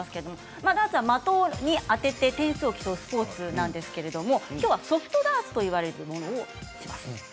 ダーツは的に当てる点数を競うスポーツなんですけれどきょうはソフトダーツといわれるものをやります。